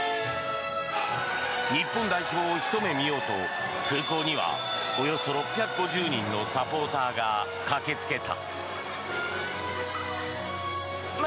日本代表をひと目見ようと空港にはおよそ６５０人のサポーターが駆けつけた。